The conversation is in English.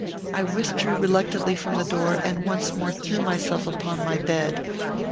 I withdrew reluctantly from the door, and once more threw myself upon my bed.